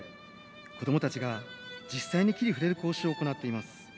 子どもたちが実際に木に触れる講習を行っています。